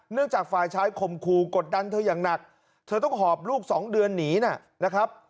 จากฝ่ายชายข่มขู่กดดันเธออย่างหนักเธอต้องหอบลูกสองเดือนหนีนะครับ